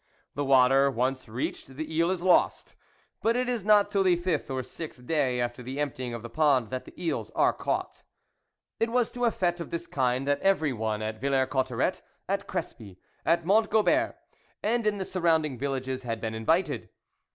The water once reached, the eel is lost ; but it is not till the fifth or sixth day after the emptying of the pond, that the eels are caught. It was to a fte of this kind that every one at Villers Cotterets, at Crespy, at Mont Gobert, and in the surrounding villages had been invited.